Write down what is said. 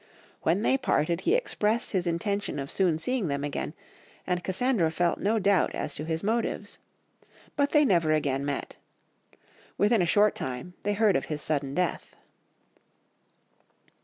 When they parted he expressed his intention of soon seeing them again, and Cassandra felt no doubt as to his motives. But they never again met. Within a short time they heard of his sudden death."